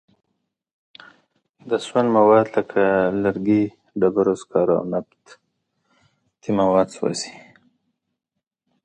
د سون مواد لکه لرګي، ډبرو سکاره او نفتي مواد سوځي.